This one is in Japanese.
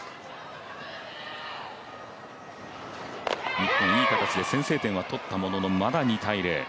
日本、いい形で先制点はとったものの、まだ２−０。